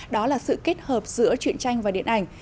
đó là sự kết hợp giữa chuyện tranh và điện ảnh